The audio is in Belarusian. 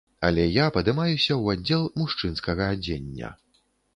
Але я падымаюся ў аддзел мужчынскага адзення.